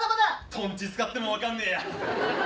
とんち使っても分かんねえや。